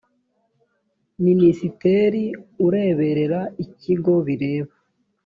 minisitiri ureberera ikigo bireba .